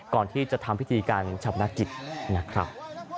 ก่อนที่จะทำพิธีการชับนักกิจนะครับ